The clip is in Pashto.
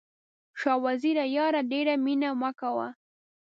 شاه وزیره یاره ډېره مینه مه کوه.